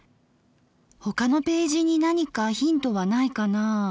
他のページに何かヒントはないかなあ。